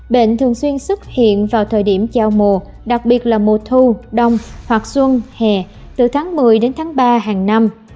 bệnh thường xuyên xuất hiện vào thời điểm giao mùa đặc biệt là mùa thu đông hoặc xuân hè từ tháng một mươi đến tháng ba hàng năm